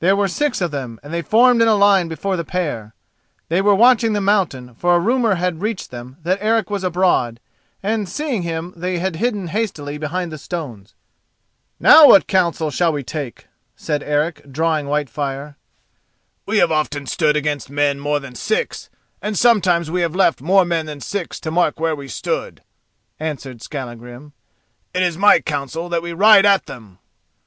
There were six of them, and they formed in line before the pair. They were watching the mountain, for a rumour had reached them that Eric was abroad, and, seeing him, they had hidden hastily behind the stones. "Now what counsel shall we take?" said Eric, drawing Whitefire. "We have often stood against men more than six, and sometimes we have left more men than six to mark where we stood," answered Skallagrim. "It is my counsel that we ride at them!"